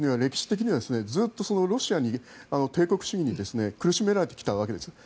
イランという国は歴史的にはずっとロシアの帝国主義に苦しめられてきたわけです。